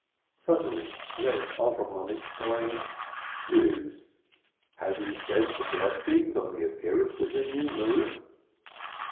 Suddenly Eeb Avrdhom exclaimed: "Jews, have you said the blessings on the appearance of the new moon?"